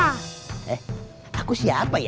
eh aku siapa ya